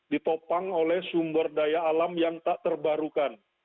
ditopang oleh sumber daya alam yang tak terbarukan